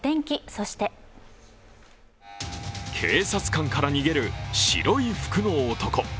そして警察官から逃げる白い服の男。